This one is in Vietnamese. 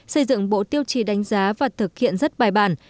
xây dựng bộ tiêu chí đánh giá và thực hiện rất bài bản